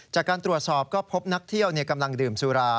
จากการตรวจสอบก็พบนักเที่ยวกำลังดื่มสุรา